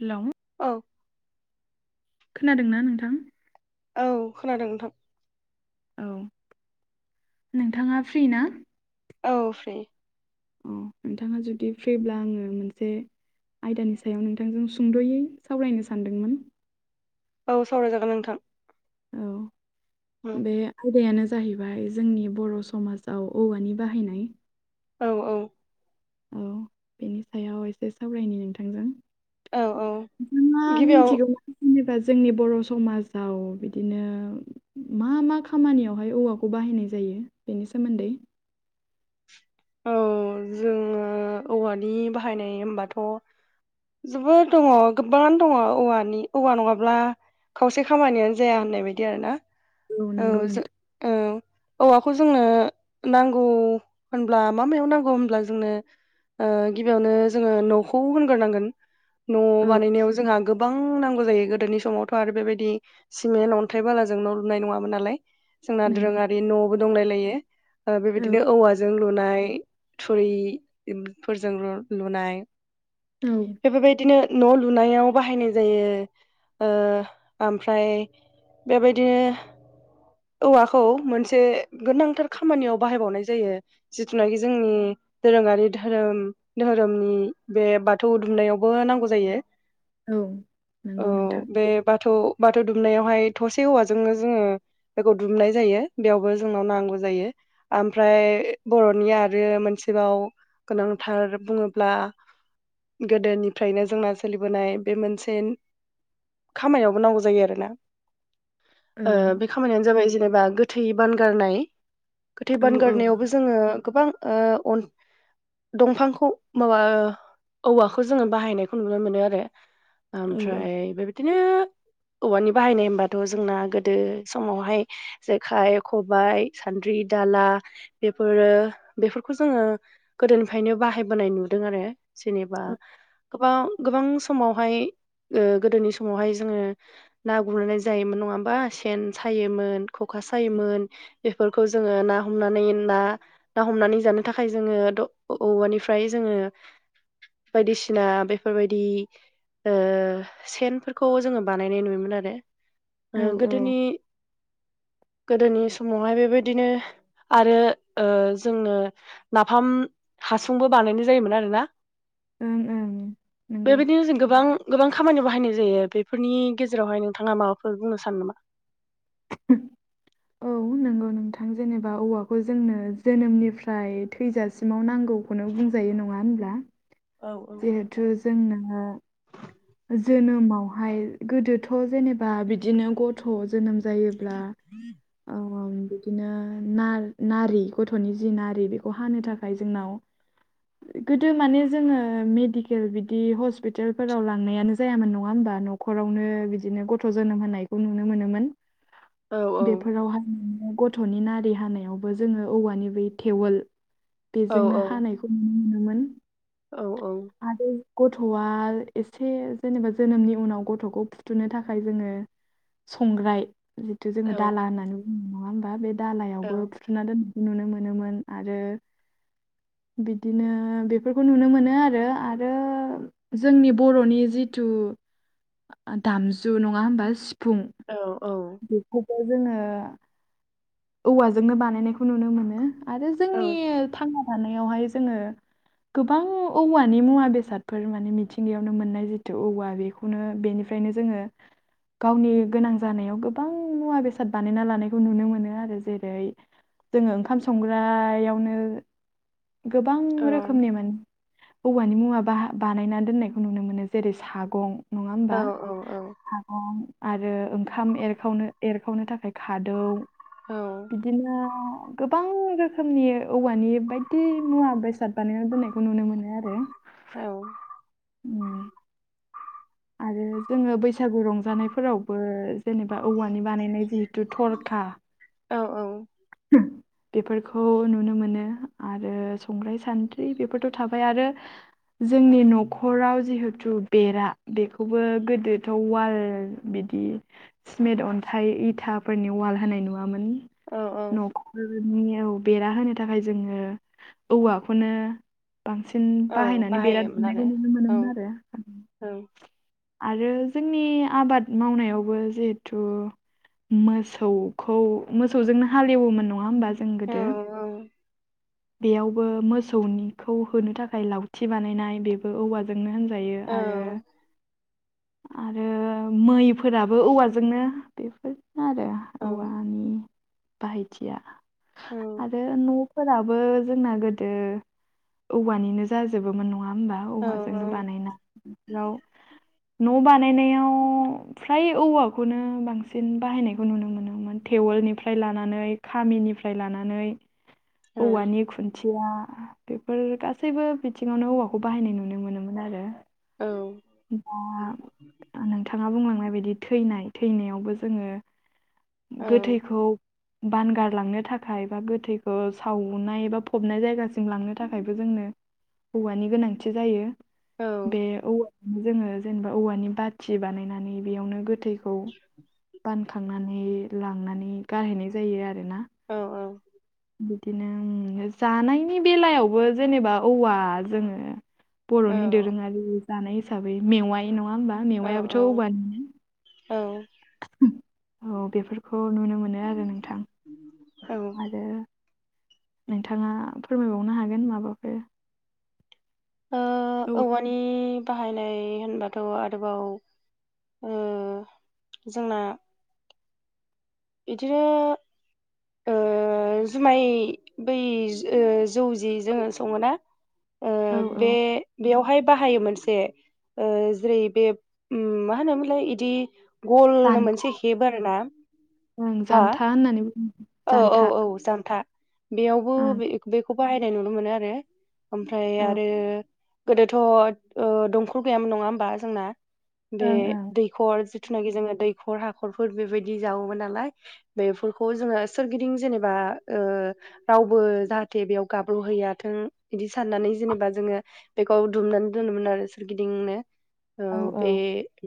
Hello औ खोनादोंना नोंथां औ खोनादों नोंथां औ नोंथाङा फ्रि ना औ फ्रि अ नोंथाङा जुदि फ्रिब्ला आङो मोनसे आयदानि सायाव नोंथांजों सुंद'यै सावरायनो सानदोंमोन औ सावरायजागोन नोंथां औ उम, बे आयदायानो जाहैबाय जोंनि बर' समाजाव औवानि बाहायनाय औ औ औ बेनि सायाव एसे सावरायनि नोंथांजों औ औ नोंथाङा गिबियाव मिथिगौना जेनेबा जोंनि बर' समाजाव बिदिनो मा मा खामानियावहाय औवाखौ बाहायनाय जायो बेनि सोमोन्दै औ जोङो औवानि बाहायनाय होनबाथ' जोबोद दङ गोबां दङ औवानि औवा नङाब्ला खावसे खामानियानो जाया होननाय बायदि आरो ना औ नंगौ जो नोंथां ओ औवाखौ जोंनो नांगौ होनब्ला मा मायाव नांगौ होनब्ला जोंनो ओ गिबियावनो जोङो न'खौ होनग्रोनांगोन न' औ बानायनायाव जोंहा गो बां नांगौ जायो गोदोनि समावथ' आरो बेबायदि सिमेन्ट अन्थाइ बालाजों न' लुनाय नङामोन नालाय जोंना नंगौ दोरोङारि न'बो दंलायलायो औ बेबायदिनो औवा लुनाय थुरि फोरजों लुनाय औ बेफोरबायदिनो न' लुनायाव बाहायनाय जायो ओ ओमफ्राय बेबायदिनो औवाखौ मोनसे गोनांथार खामानियाव बाहायबावनाय जायो जिथुनाखि जोंनि दोरोङारि धोरोम धोरोमनि बे बाथौ दुमनायावबो नांगौ जायो औ औ नंगौ नोंथां बे बाथौ बाथौ दुमनायावहाय थसे हौवाजोंनो जोङो बेखौ दुमनाय जायो बेयावबो जोंनाव नांगौ जायो ओमफ्राय बर'नि आरो मोनसेबाव गोनांथार बुङोब्ला गोदोनिफ्रायनो जोंना सोलिबोनाय बे मोनसे खामानियावबो नांगौ जायो आरो ना औ ओ बे खामानियानो जाबाय जेनेबा गोथै बानगारनाय गोथै औ औ बानगारनायावबो जोङो गोबां ओ अन दंफांखौ माबा औवाखौ जोङो बाहायनायखौ नुनो मोनो आरो औ ओमफ्राय बेबायदिनो औवानि बाहायनाय होनबाथ' जोंना गोदो समावहाय जेखाइ खबाइ सान्द्रि दाला बेफोरो बेफोरखौ जोङो गोदोनिफ्रायनो बाहायबोनाय नुदों आरो जेनेबा गोबां गोबां समावहाय ओ गोदोनि समावहाय जोङो ना गुरनाय जायोमोन नङा होमा सेन सायोमोन ख'खा सायोमोन बेफोरखौ जोङो ना हमनानै ना ना हमनानै जानो थाखाय जोङो औवानिफ्राय जोङो बायदिसिना बेफोरबायदि ओ सेनफोरखौ जोङो बानायनाय नुयोमोन आरो औ ओ गोदोनि गोदोनि समावहाय बेबायदिनो आरो ओ जोङो नाफाम हासुंबो बानायनाय जायोमोन आरोना ओं ओं नंगौ बेबायदिनो जों गोबां गोबां खामानि बाहायनाय जायो बेफोरनि गेजेरावहाय नोंथाङा माबाफोर बुंनो सानो नामा औ नों औ नोंथां जेनेबा औवाखौ जोंनो जोनोमनिफ्राय थैजासिमाव नांगौ खौनो बुंजायो नङा होनब्ला औ जिहेथु जोंना जोनोमावहाय गोदोथ' जेनेबा बिदिनो ग थ' जोनोम जायोब्ला ओ बिदिनो ना नारि गथ'नि जि नारि बेखौ हानो थाखाय जोंनाव गोदो माने जोङो मेडिकेल बिदि हस्पितालफोराव ला थांनायानो जायामोन नङा होमबा न'खरावनो बिदिनो गथ' जोनोम होनायखौ नुनो मोनोमोन। औ बेफोरावहाय गथ'नि नारि हानायावबो जोङो औवानि बै थेवोल औ बेजोंनो हानायखौ खौनो मोनोमोन। औ औ आरो गथ'वा एसे जेनेबा जोनोमनि उनाव गथ'खौ फुथुनो थाखाय जोङो संग्राय जिथु औ जोङो दाला होननानै बुङनाय नङा होमबा बे औ दालायावबो सुना द बेखौ नुनो मोनोमोन आरो। बिदिनो बेफोरखौ नुनो मोनो आरो आरो जोंनि बर'नि जिथु दामजु नङा होनोमबा सिफुं औ औ बेखौबो जोङो औवाजोंनो बानायनायखौ नुनो मोनो आरो जों औ ओ थांना थानायावहाय जोङो गोबां औवानि मुवा बेसादफोर माने मिथिं सििंगिायावनो मोननाय जिथु औवा बेखौनो बेनिफ्रायनो जोङो गावनि गोनां जानायाव गोबां मुवा बेसाद बानायना लानायखौ नुनो मोनो आरो जेरै जोङो ओंखाम संग्रायावनो गोबां रोखोमनिमोन औवानि मुवा बा बानायना दोननाय खौ नुनो मोनो जेरै सागं नङा होमबा सागं आरो ओंखाम एरखनो एरखावनो थाखाय खादौ बिदिनो गोबां रोखोमनि औवानि बायदि मुवा बेसाद बानायना दोननायखौ नुनो मोनो आरो। औ उम आरो जोङो बैसागु रंजानायफोरावबो जेनेबा औवानि बानायनाय जिहेतु थरखा औ औ [inaudible] बेफोरखौ नुनो मोनो आरो संग्राय सान्द्रि बेफोरथ' थाबाय आरो जोंनि न'खराव जिहेथु बेरा बेखौबो गोदोथ' उवाल बिदि स्मेट अन्थाइ इथाफोरनि उवाल होनाय नुवामोन। न'खरनियाव बेरा होनो थाखाय जोङो औवाखौनो बांसिन औ बाहायनानै बेरा बाहायोमोन दुमनायखौ आरो नुनो औ मोनोमोन आरो। आरो जोंनि आबाद मावनायावबो जिहेथु मोसौखौ मोसौजोंनो हालेवोमोन नङा होमबा जों औ गोदो बेयावबो मोसौनिखौ होनो थाखाय लावथि बानायनाय बे औवाजोंनो होनजायो आरो औ आरो मैफोराबो औवाजोंनो बेफोर आरो औवानि बाहायथिया आ न फोराबो जोंना गोदो औवानिनो जोबोमोन नङा होनोमबा औ औवाजोंनो औ बानायनाय बिाव न' बानायनायाव फ्राय औवाखौनो बांसिन बाहायनायखौ नुनो मोनोमोन थेवलनिफ्राय लानानै लानानै गामिनिफ्राय लानानै औ औवानि खुन्थि खुदिया बेफोर गासैबो बिथिङावनो औवाखौ बाहायनाय नुनो मोनोमोन आरो। औ दा नोंथाङा बुंलांनाय बायदि थैनाय थैनायावबो जोङो औ गोथैखौ बानगारलांनो थाखाय बा गोथैखौ सावनाय एबा फबनाय जायगासिम लांनो थाखायबो जोंनो औवानि गोनांथि जायो औ बे औ जोङो जेनेबा औवानि बाथि बानायनानै बेयावनो गोथैखौ बान खांनानै लांनानै गारहैनाय जायो आरो ना औ औ बिदिनो जानायनि बेलायावबो जेनेबा औवा जोङो औ बर'नि दोरोङारि जानाय हिसाबै मेवाइ नङा होमबा औ मेवायाबोथ' औ औवानिनो औ औ बेफोरखौ नुनो मोनो आरो नोंथां ओ आरो नोंथाङा फोरमायबावनो हागोन माबाफोर औ औवानि बाहायनाय होनबाथ' आरोबाव जोंना बिदिनो जुमाय बै जौजि जोङो सङोना औ बे औ बेयावहाय बाहायो मोनसे जेरै बे मा होनोमोनलाय बिदि गलनो जानथा मोनसे हेबो आरो ना ओं जानथा होननानैबो [unintelligible] औ औ औ जानथा बेयावबो ओं बेखौ बाहायनाय नुनो मोनो आरो ओमफ्राय औ आरो गोदोथ' दंखल गैयामोन नङा होमबा जोंना बे ओं ओं दै खर जिथुनाखि दैखर हाख'रफोर बेबायदि जावोमोन नालाय बेफोरखौ जोङो सोरगिदिं जेनेबा रावबो जाहाथे बेयाव गाब्र'हैयाथों बिदि साननानै जेनेबा जोङो बेखौ दुमनानै दोनोमोन आरो सोरगिदिंनो औ बे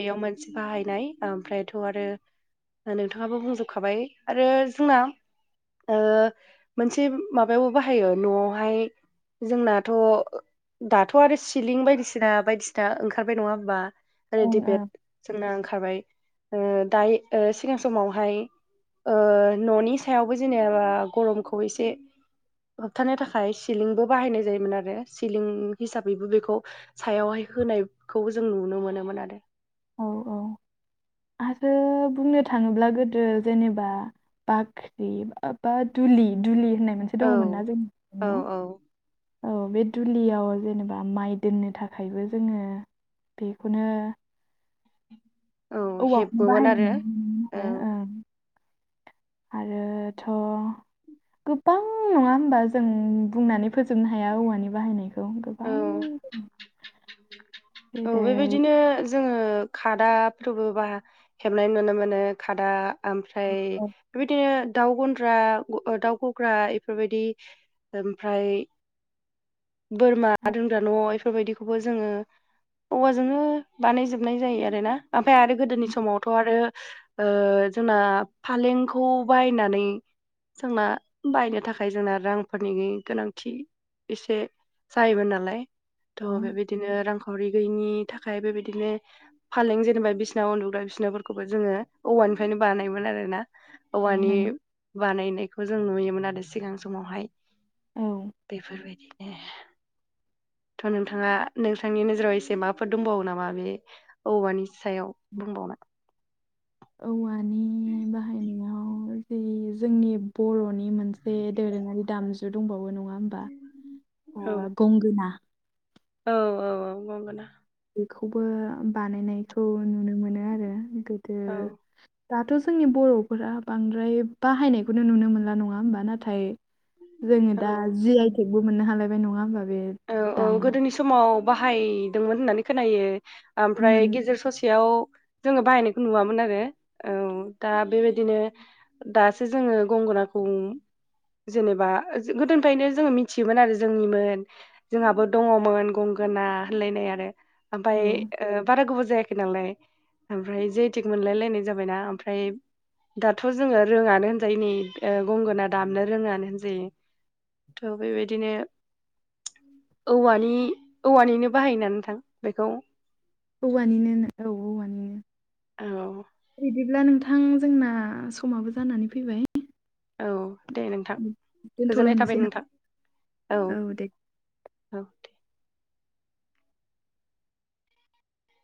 बेयाव मोनसे बाहायनाय ओमफ्रायथ' आरो नोंथाङाबो बुंजोबखाबाय आरो जोंना मोनसे माबायावबो बाहायो न'आवहाय जोंनाथ' दाथ' आरो सिलिं बायदिसिना बायदिसिना ओंखारबाय नङा होमबा ओं रेडिमेड ओं जोंना ओंखारबाय दायो सिगां समावहाय न'नि सायावबो जेनेबा गरमखौ एसे होबथानो थाखाय सिलिंबो बाहायनाय जायोमोन आरो सिलिं हिसाबैबो बेखौ सायावहाय होनायखौबो जों नुनो मोनोमोन आरो औ औ आरो बुंनो थाङोब्ला गोदो जेनेबा बाख्रि बा दुलि दुलि होननाय मोनसे औ दङमोन ना औ जोंनिया औ औ बे दुलियाव जेनेबा माइ दोननो थाखायबो जोङो बेखौनो औ औवाखौनो हेबोमोन बाहायनाय आरो नुनो मोनो औ मोन आरो आरोथ' गोबां नङा होमबा जों बुंनानै फोजोबनो हाया औवानि बाहायनायखौ औ गोबां औ जेरै बेबायदिनो जोङो खादाफोरबो बा हेबनाय नुनो मोनो खादा ओमफ्राय औ बेबायदिनो दाउ गन्द्रा दाउ गग्रा इफोरबायदि ओमफ्राय बोरमा दोनग्रा न' इफोरबायदि खौबो जोङो औवाजोंनो बानायजोबनाय जायो आरो ना ओमफाय आरो गोदोनि समावथ' आरो जोंना फालेंखौ बायनानै जोंना बायनो थाखाय जोंना रांफोरनि गोनांथि एसे जायोमोन नालाय थ' बेबायदिनो रांखावरि गैयिनि थाखाय बेबायदिनो फालें जेनेबा बिसिना उन्दुग्रा बिसनाफोरखौबो जोङो औवानिफ्रायनो बानायोमोन आरो ना औवानि नंगौ। बानायनायखौ जों नुयोमोन आरो सिगां समावहाय औ बेफोरबादि थ' नोंथाङा नोंथांनि नोजोराव एसे माबाफोर दंबावो नामा बे औवानि सायाव बुंबावनो औवानि बाहायनायाव जि जोंनि बर'नि मोन बे दोरोङारि दामजु दंबावो नङा होमबा ओ औ गंगोना। औ औ औ गंगोना। बेखौबो बानायनायखौ नुनो मोनो आरो गोदो औ दाथ' जोंनि बर'फोरा बांद्राय बाहायनायखौनो नुनो मोनला नङा होमबा नाथाय जोङो दा औ जि आइटेकबो मोननो हालायबाय नङा होमबा बे औ औ दामग्रा गोदोनि समाव बाहायदोंमोन होननानै खोनायो। ओमफ्राय मोन गेजेर ससेयाव जोङो बाहायनायखौ नुवामोन आरो औ दा बेबायदिनो दासो जोङो गंगोनाखौ जेनेबा गोदोनिफ्रायनो जोङो मिथियोमोन आरो जोंनिमोन। जोंहाबो दङमोन गंगोना होनलायनाय आरो औ ओमफ्राय बारा गोबाव जाया नालाय ओमफ्राय जि आइ टेग मोनलायनाय जाबायना ओमफ्राय दाथ' जोङो रोङानो होनजायो नै ओ गंगोना दामनो रोङानो होनजायो। थ' बेबायदिनो। औवानि औवानिनो बाहायोना नोंथां बेखौ औवानिनो औ औ औवानिनो बिदिब्ला नों थां जोंना समाबो जानानै फैबाय। औ दे नोंथां गोजोननाय थाबाय दोनथ'लायनोसै ना नोंथां औ दे। औ